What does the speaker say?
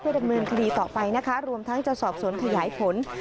ดำเนินคดีต่อไปนะคะรวมทั้งจะสอบสวนขยายผล